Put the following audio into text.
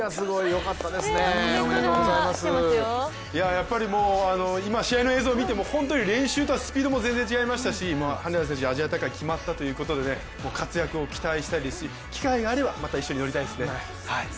やっぱり、今試合の映像見ても、スピードが練習とは全然違いましたし、羽根田選手、アジア大会決まったということで活躍を期待したいですし機会があればまた一緒に乗りたいですね。